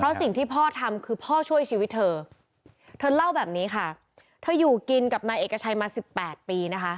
เพราะสิ่งที่พ่อทำคือพ่อช่วยชีวิตเธอเธอเล่าแบบนี้ค่ะเธออยู่กินกับนายเอกชัยมาสิบแปดปีนะคะ